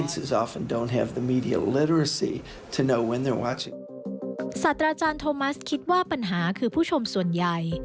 อาจารย์โทมัสคิดว่าปัญหาคือผู้ชมส่วนใหญ่